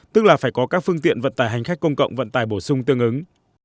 tức là phải có các phương tiện vận tải hành khách công cộng vận tải bổ sung tương ứng